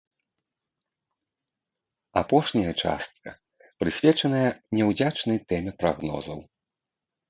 Апошняя частка прысвечаная няўдзячнай тэме прагнозаў.